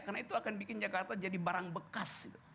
karena itu akan bikin jakarta jadi barang bekas